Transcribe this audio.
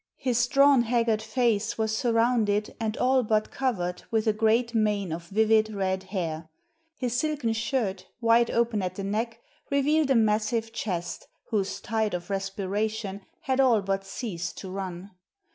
His drawn, haggard face was surrounded and all but covered with a great mane of vivid red hair; his silken shirt, wide open at the neck, revealed a massive chest, whose tide of respiration had all but ceased to run.